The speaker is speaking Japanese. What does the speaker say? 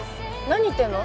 何言ってんの？